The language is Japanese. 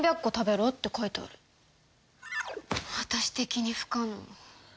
私的に不可能。